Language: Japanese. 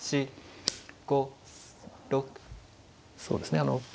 そうですねあの。